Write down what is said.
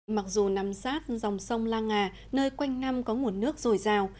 mặc dù nằm sát dòng sông lan ngà nơi quanh năm có nguồn nước dồi dào